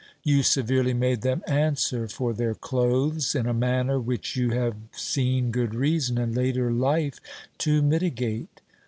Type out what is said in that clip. You severely made them answer for their clothes, in a manner which you have seen good reason, in later life, to mitigate.